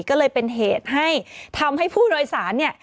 ก็เลยเป็นเหตุให้ทำให้ผู้โดยสารเนี่ย